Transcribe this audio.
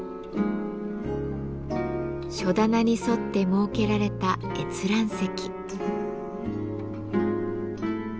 書棚に沿って設けられた閲覧席。